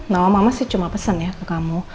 nama mama sih cuma pesan ya ke kamu